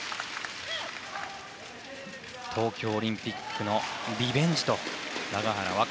東京オリンピックのリベンジと永原和